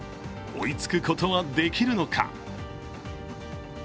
追いつくことはできるのか？